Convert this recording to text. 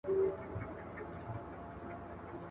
ټولنیز واقیعت د ګډو اړتیاوو ځواب ګڼل کېږي.